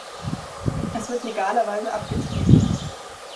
Es wird legalerweise abgetrieben.